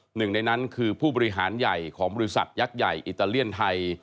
หนึ่งในนั้นคือผู้บริหารใหญ่ของบริษัทยักษ์ใหญ่อิตาเลียนไทย